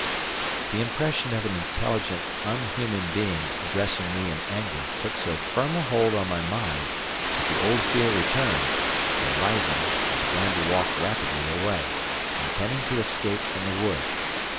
The impression of an intelligent unhuman being addressing me in anger took so firm a hold on my mind that the old fear returned, and, rising, I began to walk rapidly away, intending to escape from the wood.